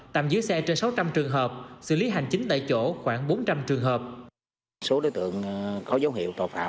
tạm giữ xe trên sáu trăm linh trường hợp xử lý hành chính tại chỗ khoảng bốn trăm linh trường hợp